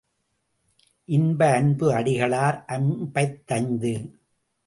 இன்ப அன்பு அடிகளார் ஐம்பத்தைந்து.